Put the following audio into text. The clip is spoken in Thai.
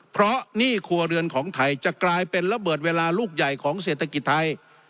เพราะหนี้ครัวเรือนของไทยจะกลายเป็นระเบิดเวลาลูกใหญ่ของเศรษฐกิจไทย